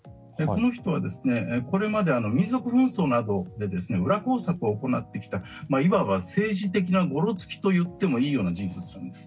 この人はこれまで民族紛争などで裏工作を行ってきたいわば政治的なゴロツキといってもいい人物なんです。